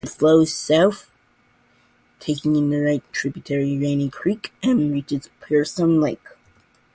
It flows south, taking in the right tributary Rainy Creek, and reaches Pearson Lake.